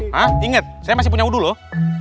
hah ingat saya masih punya wudhu loh